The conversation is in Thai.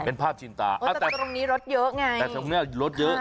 เป็นภาพชินตาแต่ตรงนี้รถเยอะไงแต่ตรงนี้รถเยอะ